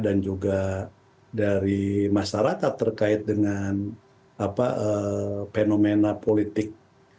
dan juga dari masyarakat terkait dengan fenomena politik